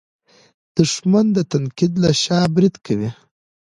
دښمن د تنقید له شا برید کوي